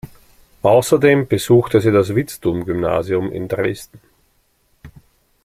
Außerdem besuchte sie das Vitzthum-Gymnasium in Dresden.